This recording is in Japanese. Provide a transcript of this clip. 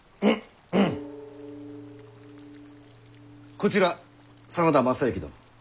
こちら真田昌幸殿。